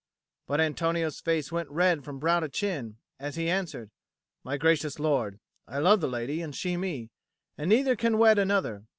But Antonio's face went red from brow to chin, as he answered: "My gracious lord, I love the lady, and she me, and neither can wed another.